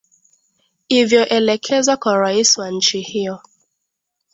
ivyoelekezwa kwa rais wa nchi hiyo